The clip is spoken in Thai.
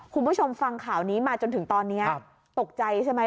คุณผู้ชมฟังข่าวนี้มาจนถึงตอนนี้ตกใจใช่ไหม